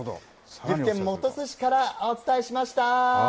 岐阜県本巣市からお伝えしました。